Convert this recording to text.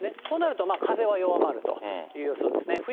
そうなると風は弱まるという予想ですね。